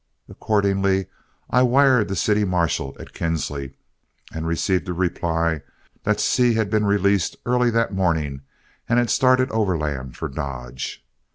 Accordingly I wired the city marshal at Kinsley, and received a reply that Seay had been released early that morning, and had started overland for Dodge.